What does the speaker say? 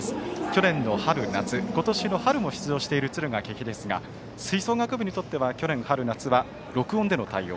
去年の春夏、今年の春も出場している敦賀気比ですが吹奏楽部にとっては去年の春夏は録音での対応。